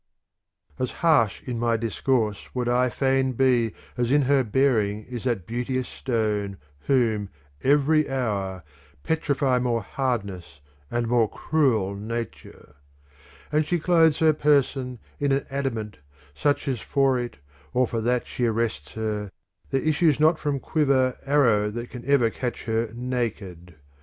I As harsh in my discourse would I fain be as in her bearing is that beauteous stone whom, every hour, petrify more hardness and more cruel nature : And she clothes her person in an adamant such that for it, or for that she arrests her, there issues not from quiver arrow that can ever catch her naked.